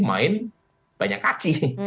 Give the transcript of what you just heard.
main banyak kaki